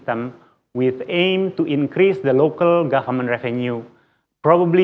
dengan tujuan untuk meningkatkan pendapatan pemerintah lokal